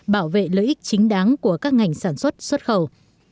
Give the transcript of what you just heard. bảo vệ lợi ích chính đáng của các ngành sản xuất xuất khẩu